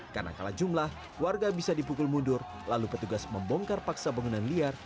karena kalah jumlah warga bisa dipukul mundur lalu petugas membongkar paksa bangunan liar